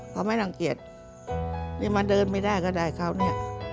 เขาไม่รังเกียจนี่มาเดินไม่ได้ก็ได้เขาเนี่ย